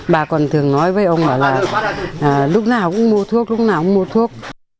bà còn thường nói với ông bảo là lúc nào cũng mua thuốc lúc nào cũng mua thuốc